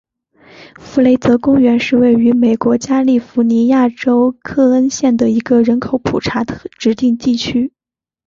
弗雷泽公园是位于美国加利福尼亚州克恩县的一个人口普查指定地区。